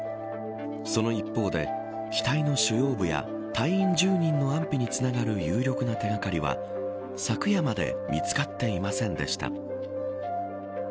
その一方で、機体の主要部や隊員１０人の安否につながる有力な手掛かりは昨夜まで見つかっていませんでした。